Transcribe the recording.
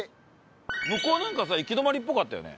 向こうなんかさ行き止まりっぽかったよね。